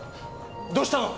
どうしたの！？